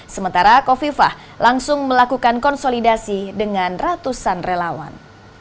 sementara kofifah langsung melakukan konsolidasi dengan ratusan relawan